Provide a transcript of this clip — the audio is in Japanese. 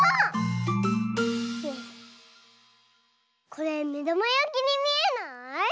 これめだまやきにみえない？